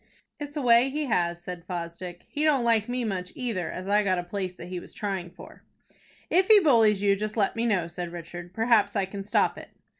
"It's a way he has," said Fosdick. "He don't like me much either, as I got a place that he was trying for." "If he bullies you, just let me know," said Richard. "Perhaps I can stop it."